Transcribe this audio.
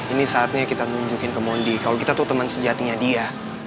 ini saatnya kita nunjukin ke mondi kalau kita tuh teman sejatinya dia